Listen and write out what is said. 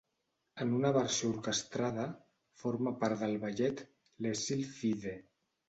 En una versió orquestrada, forma part del ballet "Les Sylphides".